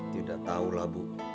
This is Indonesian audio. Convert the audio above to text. tidak tahulah bu